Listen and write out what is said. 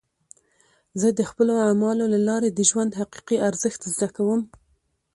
زه د خپلو اعمالو له لارې د ژوند حقیقي ارزښت زده کوم.